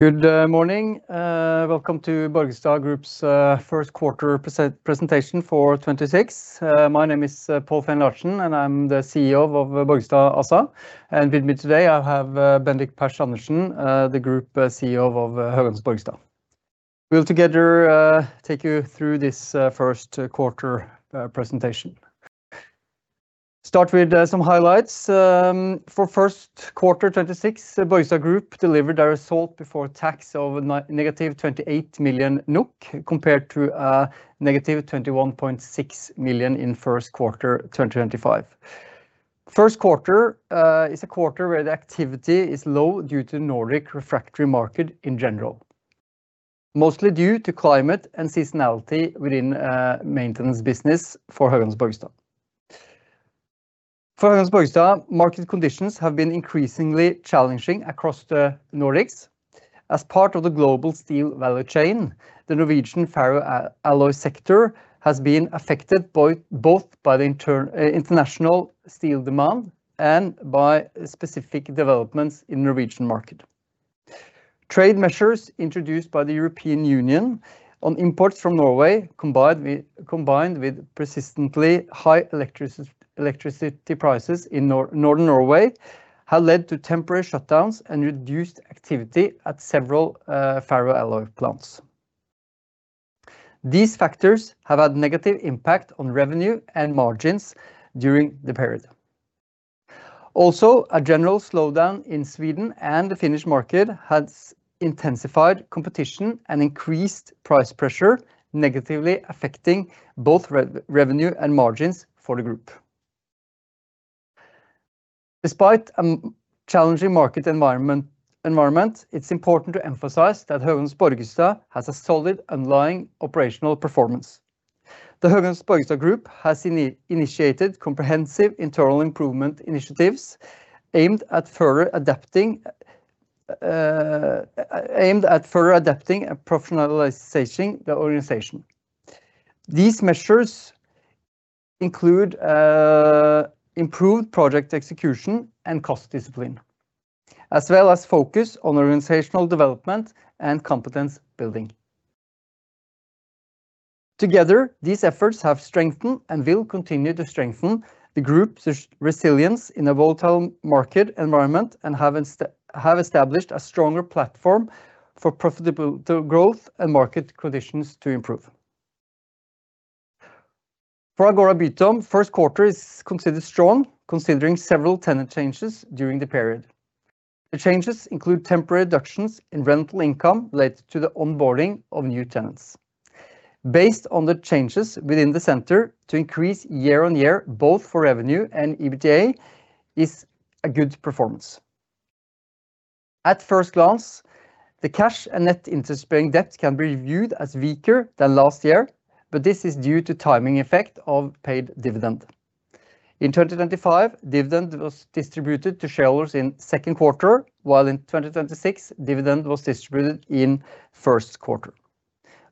Good morning. Welcome to Borgestad Group's first quarter presentation for 2026. My name is Pål Feen Larsen, and I'm the CEO of Borgestad ASA. With me today, I have Bendik Persch Andersen, the Group CEO of Höganäs Borgestad. We'll together take you through this first quarter presentation. Start with some highlights. For first quarter 2026, Borgestad Group delivered a result before tax of -28 million NOK, compared to a -21.6 million in first quarter 2025. First quarter is a quarter where the activity is low due to Nordic refractory market in general, mostly due to climate and seasonality within maintenance business for Höganäs Borgestad. For Höganäs Borgestad, market conditions have been increasingly challenging across the Nordics. As part of the global steel value chain, the Norwegian ferroalloy sector has been affected both by the international steel demand and by specific developments in the Norwegian market. Trade measures introduced by the European Union on imports from Norway, combined with persistently high electricity prices in northern Norway, have led to temporary shutdowns and reduced activity at several ferroalloy plants. These factors have had negative impact on revenue and margins during the period. A general slowdown in Sweden and the Finnish market has intensified competition and increased price pressure, negatively affecting both revenue and margins for the group. Despite a challenging market environment, it's important to emphasize that Höganäs Borgestad has a solid underlying operational performance. The Höganäs Borgestad Group has initiated comprehensive internal improvement initiatives aimed at further adapting and professionalizing the organization. These measures include improved project execution and cost discipline, as well as focus on organizational development and competence building. Together, these efforts have strengthened and will continue to strengthen the group's resilience in a volatile market environment and have established a stronger platform for profitable growth and market conditions to improve. For Agora Bytom, first quarter is considered strong, considering several tenant changes during the period. The changes include temporary reductions in rental income related to the onboarding of new tenants. Based on the changes within the center, to increase year-over-year both for revenue and EBITDA is a good performance. At first glance, the cash and net interest-bearing debt can be viewed as weaker than last year. This is due to timing effect of paid dividend. In 2025, dividend was distributed to shareholders in second quarter, while in 2026, dividend was distributed in first quarter.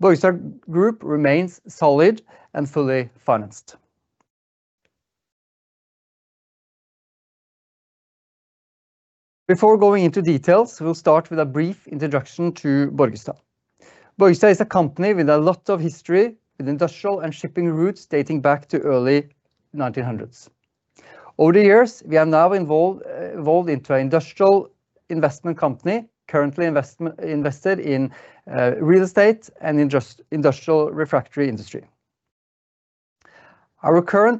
Borgestad Group remains solid and fully financed. Before going into details, we will start with a brief introduction to Borgestad. Borgestad is a company with a lot of history with industrial and shipping roots dating back to early 1900s. Over the years, we have now evolved into an industrial investment company, currently invested in real estate and industrial refractory industry. Looking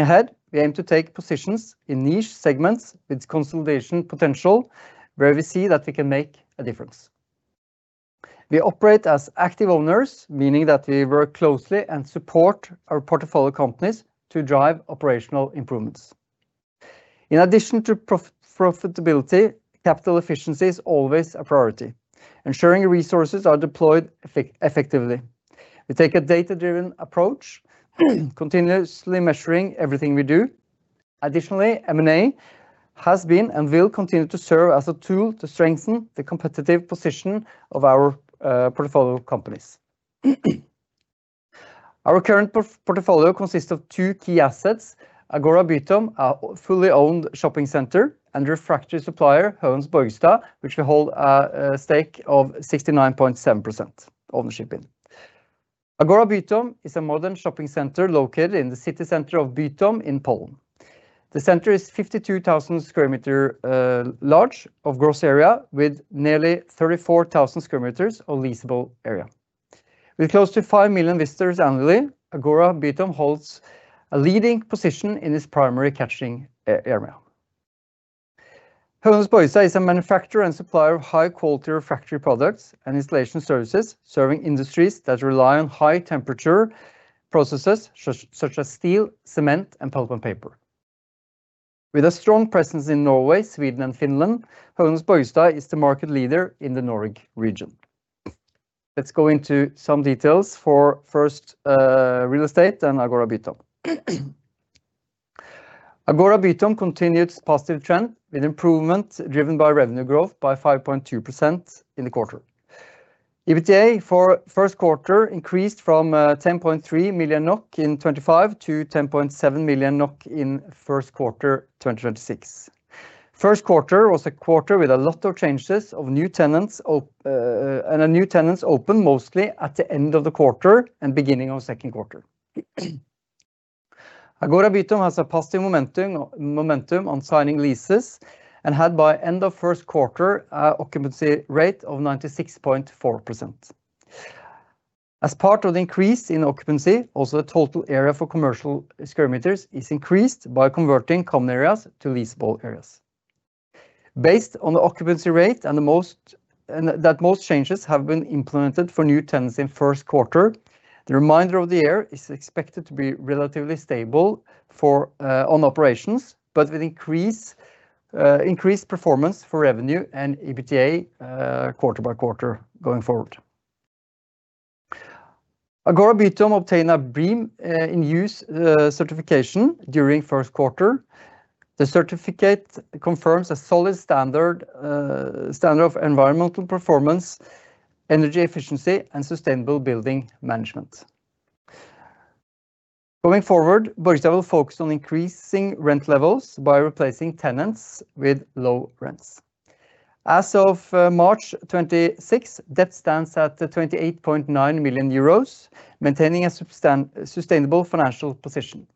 ahead, we aim to take positions in niche segments with consolidation potential where we see that we can make a difference. We operate as active owners, meaning that we work closely and support our portfolio companies to drive operational improvements. In addition to profitability, capital efficiency is always a priority, ensuring resources are deployed effectively. We take a data-driven approach, continuously measuring everything we do. Additionally, M&A has been and will continue to serve as a tool to strengthen the competitive position of our portfolio companies. Our current portfolio consists of two key assets, Agora Bytom, a fully owned shopping center, and refractory supplier, Höganäs Borgestad, which we hold a stake of 69.7% ownership in. Agora Bytom is a modern shopping center located in the city center of Bytom in Poland. The center is 52,000 sq m large of gross area with nearly 34,000 sq m of leasable area. With close to 5 million visitors annually, Agora Bytom holds a leading position in its primary catching area. Höganäs Borgestad is a manufacturer and supplier of high-quality refractory products and installation services, serving industries that rely on high-temperature processes such as steel, cement, and pulp and paper. With a strong presence in Norway, Sweden, and Finland, Höganäs Borgestad is the market leader in the Nordic region. Let's go into some details for first, real estate and Agora Bytom. Agora Bytom continued its positive trend with improvement driven by revenue growth by 5.2% in the quarter. EBITDA for first quarter increased from 10.3 million NOK in 2025 to 10.7 million NOK in first quarter 2026. First quarter was a quarter with a lot of changes, and new tenants opened mostly at the end of the quarter and beginning of second quarter. Agora Bytom has a positive momentum on signing leases and had by end of first quarter, an occupancy rate of 96.4%. As part of the increase in occupancy, also the total area for commercial square meters is increased by converting common areas to leasable areas. Based on the occupancy rate, and that most changes have been implemented for new tenants in first quarter, the remainder of the year is expected to be relatively stable on operations, but with increased performance for revenue and EBITDA, quarter-by-quarter going forward. Agora Bytom obtain a BREEAM In-Use certification during first quarter. The certificate confirms a solid standard of environmental performance, energy efficiency, and sustainable building management. Going forward, Borgestad will focus on increasing rent levels by replacing tenants with low rents. As of March 26, debt stands at 28.9 million euros, maintaining a sustainable financial position.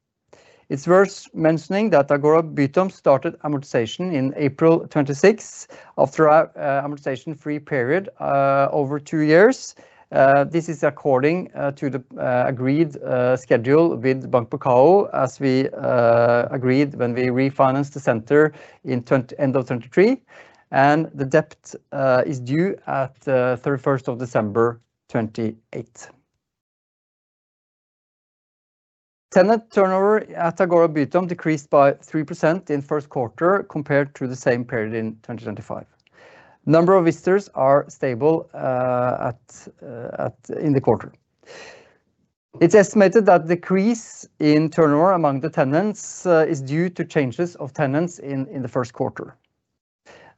It's worth mentioning that Agora Bytom started amortization in April 26, after our amortization free period, over two years. This is according to the agreed schedule with Bank Pekao, as we agreed when we refinanced the center in end of 2023, and the debt is due at 31st of December 2028. Tenant turnover at Agora Bytom decreased by 3% in first quarter, compared to the same period in 2025. Number of visitors are stable in the quarter. It's estimated that decrease in turnover among the tenants is due to changes of tenants in the 1st quarter.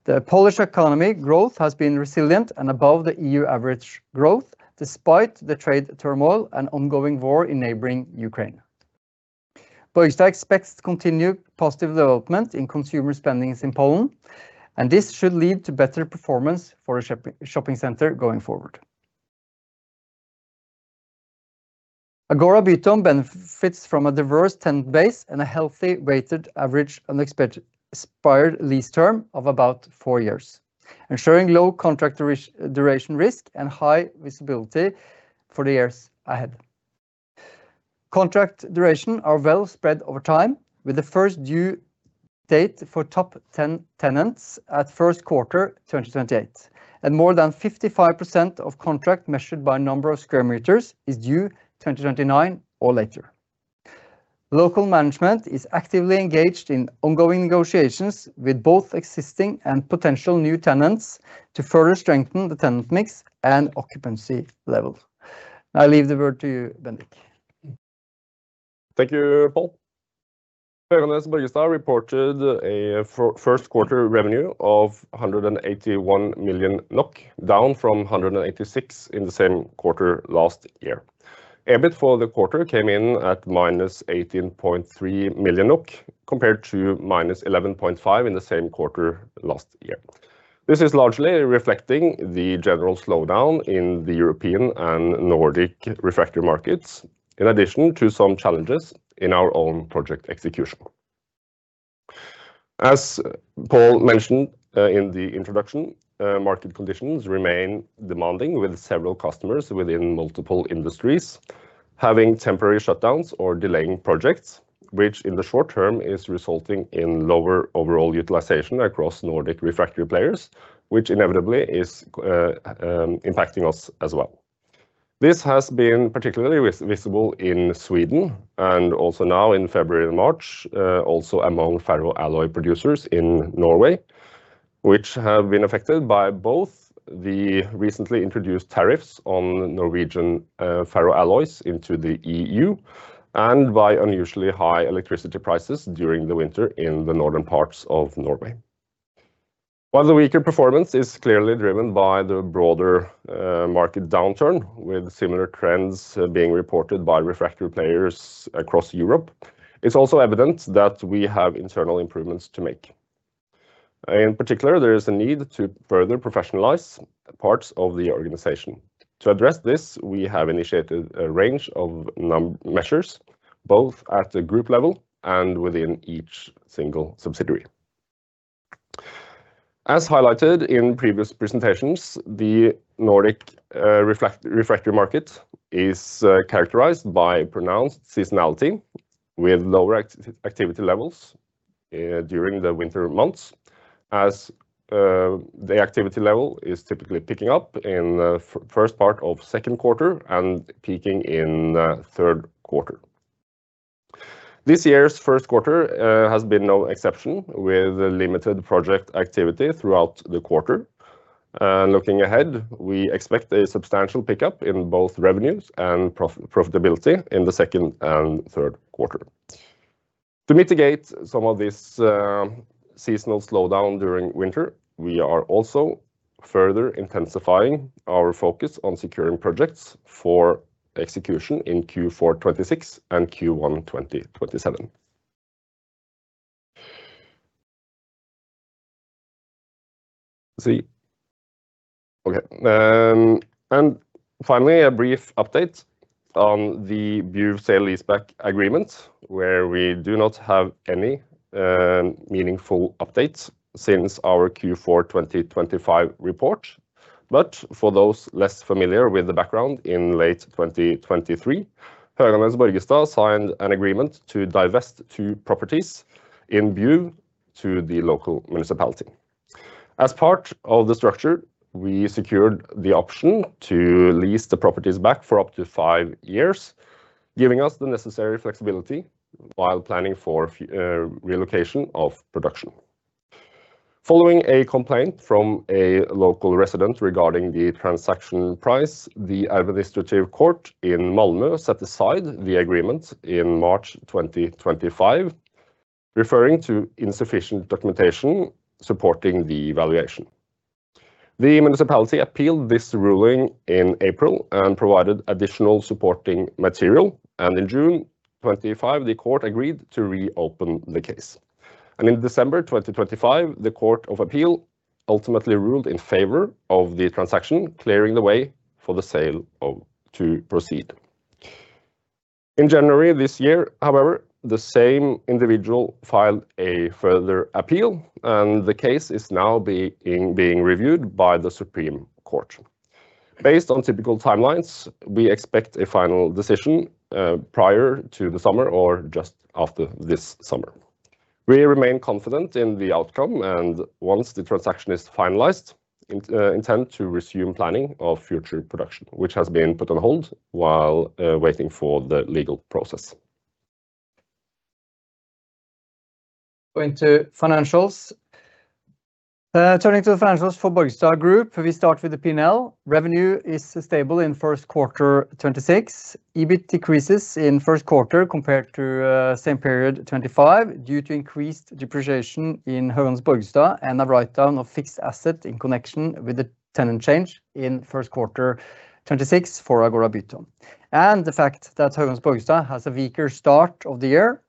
The Polish economy growth has been resilient and above the EU average growth, despite the trade turmoil and ongoing war in neighboring Ukraine. Borgestad expects continued positive development in consumer spendings in Poland, and this should lead to better performance for the shopping center going forward. Agora Bytom benefits from a diverse tenant base and a healthy weighted average unexpired lease term of about four years, ensuring low contract duration risk and high visibility for the years ahead. Contract duration are well spread over time, with the 1st due date for top 10 tenants at first quarter 2028, and more than 55% of contract measured by number of square meters is due 2029 or later. Local management is actively engaged in ongoing negotiations with both existing and potential new tenants to further strengthen the tenant mix and occupancy levels. I leave the word to you, Bendik. Thank you, Pål. Höganäs Borgestad reported a first quarter revenue of 181 million NOK, down from 186 million in the same quarter last year. EBIT for the quarter came in at -18.3 million NOK, compared to -11.5 million in the same quarter last year. This is largely reflecting the general slowdown in the European and Nordic refractory markets, in addition to some challenges in our own project execution. As Pål mentioned in the introduction, market conditions remain demanding, with several customers within multiple industries having temporary shutdowns or delaying projects, which in the short term is resulting in lower overall utilization across Nordic refractory players, which inevitably is impacting us as well. This has been particularly visible in Sweden and also now in February and March, also among ferroalloy producers in Norway, which have been affected by both the recently introduced tariffs on Norwegian ferroalloys into the EU and by unusually high electricity prices during the winter in the northern parts of Norway. While the weaker performance is clearly driven by the broader market downturn, with similar trends being reported by refractory players across Europe, it's also evident that we have internal improvements to make. In particular, there is a need to further professionalize parts of the organization. To address this, we have initiated a range of measures, both at the group level and within each single subsidiary. As highlighted in previous presentations, the Nordic refractory market is characterized by pronounced seasonality, with lower activity levels during the winter months, as the activity level is typically picking up in the first part of second quarter and peaking in third quarter. This year's first quarter has been no exception, with limited project activity throughout the quarter. Looking ahead, we expect a substantial pickup in both revenues and profitability in the second and third quarter. To mitigate some of this seasonal slowdown during winter, we are also further intensifying our focus on securing projects for execution in Q4 2026 and Q1 2027. Okay. Finally, a brief update on the Bjuv sale leaseback agreement, where we do not have any meaningful updates since our Q4 2025 report. For those less familiar with the background, in late 2023, Höganäs Borgestad signed an agreement to divest two properties in Bjuv to the local municipality. As part of the structure, we secured the option to lease the properties back for up to five years, giving us the necessary flexibility while planning for relocation of production. Following a complaint from a local resident regarding the transaction price, the Administrative Court in Malmö set aside the agreement in March 2025, referring to insufficient documentation supporting the valuation. The municipality appealed this ruling in April and provided additional supporting material, and in June 2025, the court agreed to reopen the case. In December 2025, the Court of Appeal ultimately ruled in favor of the transaction, clearing the way for the sale to proceed. In January this year, however, the same individual filed a further appeal, and the case is now being reviewed by the Supreme Court. Based on typical timelines, we expect a final decision prior to the summer or just after this summer. We remain confident in the outcome, and once the transaction is finalized, intend to resume planning of future production, which has been put on hold while waiting for the legal process. Going to financials. Turning to the financials for Borgestad Group, we start with the P&L. Revenue is stable in first quarter 2026. EBIT decreases in first quarter compared to same period 2025 due to increased depreciation in Höganäs Borgestad and a write-down of fixed asset in connection with the tenant change in first quarter 2026 for Agora Bytom. The fact that Höganäs Borgestad has a weaker start of the year.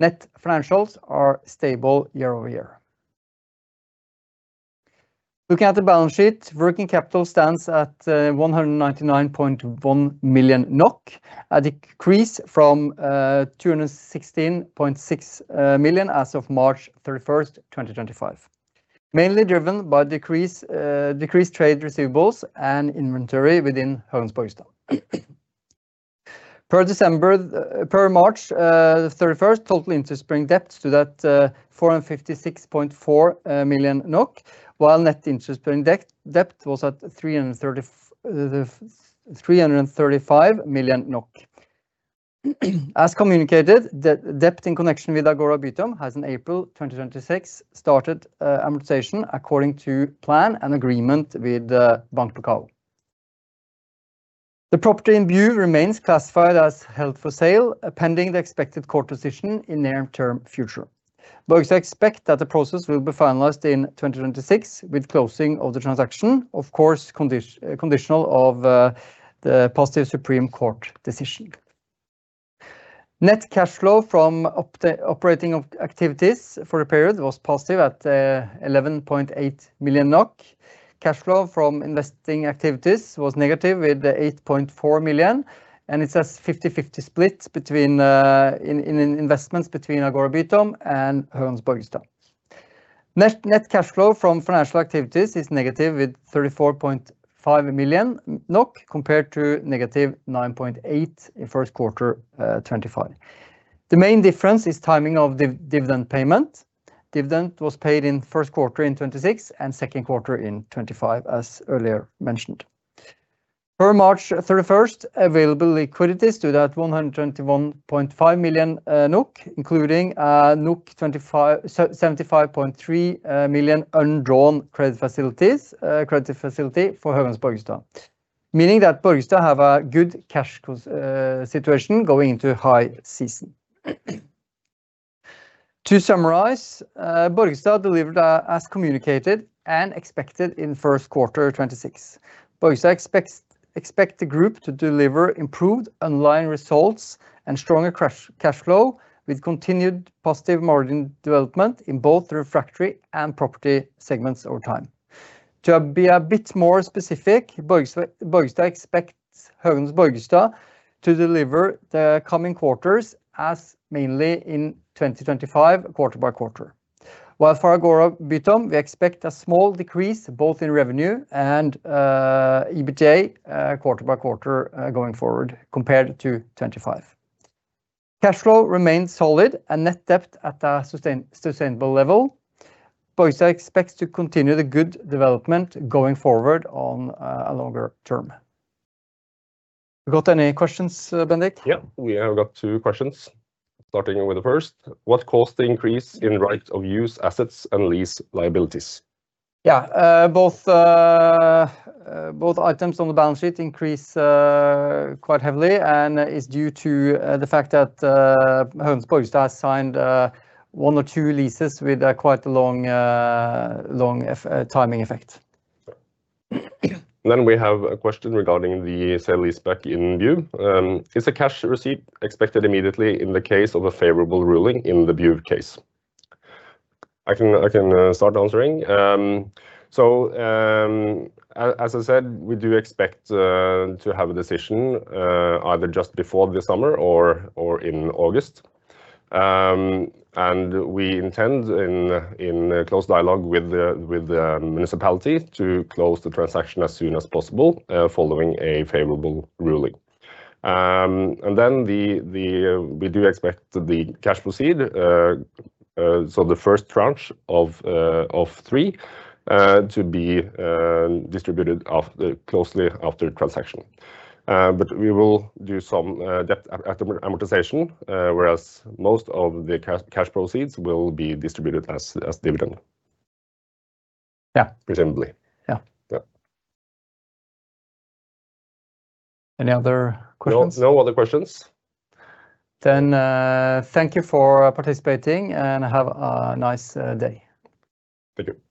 Net financials are stable year-over-year. Looking at the balance sheet, working capital stands at 199.1 million NOK, a decrease from 216.6 million as of March 31st, 2025. Mainly driven by decreased trade receivables and inventory within Höganäs Borgestad. Per March 31st, total interest-bearing debt stood at 456.4 million NOK, while net interest-bearing debt was at 335 million NOK. As communicated, the debt in connection with Agora Bytom has in April 2026 started amortization according to plan and agreement with Bank Pekao. The property in Bjuv remains classified as held for sale pending the expected court decision in near-term future. Borgestad expect that the process will be finalized in 2026 with closing of the transaction, of course, conditional of the positive Supreme Court decision. Net cash flow from operating activities for the period was positive at 11.8 million NOK. Cash flow from investing activities was negative with 8.4 million, and it's a 50/50 split in investments between Agora Bytom and Höganäs Borgestad. Net cash flow from financial activities is negative with 34.5 million NOK compared to -9.8 in first quarter 2025. The main difference is timing of dividend payment. Dividend was paid in first quarter 2026 and second quarter 2025, as earlier mentioned. Per March 31st, available liquidity stood at 121.5 million NOK, including 75.3 million undrawn credit facility for Höganäs Borgestad, meaning that Borgestad have a good cash situation going into high season. To summarize, Borgestad delivered as communicated and expected in first quarter 2026. Borgestad expect the group to deliver improved underlying results and stronger cash flow with continued positive margin development in both the refractory and property segments over time. To be a bit more specific, Borgestad expects Höganäs Borgestad to deliver the coming quarters as mainly in 2025, quarter-by-quarter. While for Agora Bytom, we expect a small decrease both in revenue and EBITDA quarter-by-quarter going forward compared to 2025. Cash flow remains solid and net debt at a sustainable level. Borgestad expects to continue the good development going forward on a longer term. We got any questions, Bendik? Yeah. We have got two questions. Starting with the first. What caused the increase in right of use assets and lease liabilities? Yeah. Both items on the balance sheet increase quite heavily and is due to the fact that Höganäs Borgestad signed one or two leases with quite a long timing effect. We have a question regarding the sale leaseback in Bjuv. Is a cash receipt expected immediately in the case of a favorable ruling in the Bjuv case? I can start answering. As I said, we do expect to have a decision either just before the summer or in August. We intend in close dialogue with the municipality to close the transaction as soon as possible following a favorable ruling. We do expect the cash proceed, so the first tranche of three to be distributed closely after transaction. We will do some debt amortization, whereas most of the cash proceeds will be distributed as dividend. Yeah. Presumably. Yeah. Yeah. Any other questions? No other questions. Thank you for participating, and have a nice day. Thank you. Thank you.